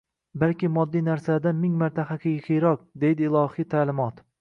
balki moddiy narsalardan ming marta haqiqiyroq, deydi ilohiy ta’limot.